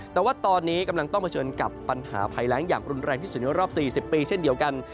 แต่ว่าตอนนี้กำลังต้องเผชิญกับปัญหาภัยแรงอย่างรุนแรงที่สุดในรอบ๔๐ปีเช่นเดียวกัน